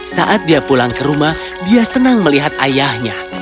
saat dia pulang ke rumah dia senang melihat ayahnya